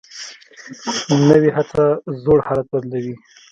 نوې هڅه زوړ حالت بدلوي